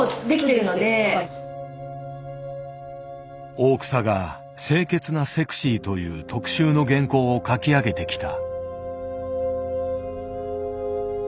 大草が「清潔なセクシー」という特集の原稿を書き上げてきた。